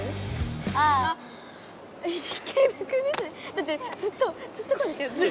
だってずっとずっとこうですよ。